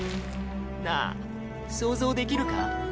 なあ想像できるか？